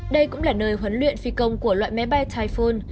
đây cũng là nơi huấn luyện phi công của loại máy bay iphone